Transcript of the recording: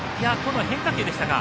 変化球でしたか。